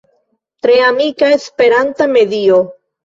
Tre amika Esperanta medio.